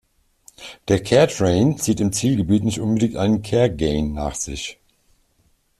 Der Care Drain zieht im Zielgebiet nicht unbedingt einen Care Gain nach sich.